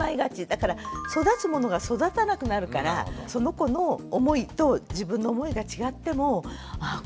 だから育つものが育たなくなるからその子の思いと自分の思いが違ってもああ